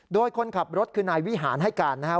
โดยคนขับรถคือนายวิหารให้การนะครับ